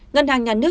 ngân hàng nhà nước